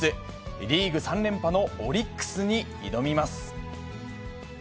リーグ３連覇のオリックスに挑みます。